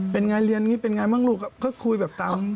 เป็นไงเรียนอย่างนี้เป็นไงบ้างลูกก็คุยแบบตาม